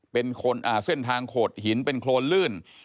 เป็นเส้นทางโขดหินเป็นโครนลื่น